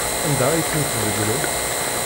Anda ay tent-tbeddlem?